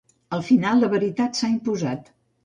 Al final, la veritat s’ha imposat.